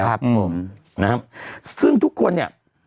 นะครับซึ่งทุกคนเนี่ย